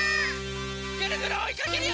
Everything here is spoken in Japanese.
ぐるぐるおいかけるよ！